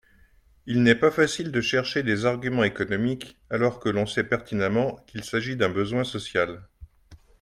il n'est pas facile de chercher des arguments économiques alors que l'on sait pertinemment qu'il s'agit d'un besoin social.